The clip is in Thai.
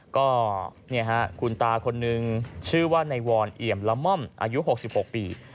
ก็คุณตาคนนึงชื่อว่าในวรเอี่ยมละม่อมอายุ๖๖ปี